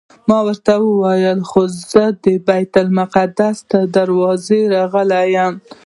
ما ورته وویل خو زه د بیت المقدس تر دروازې راغلی یم.